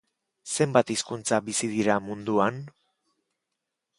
Zenbat hizkuntza bizi dira munduan?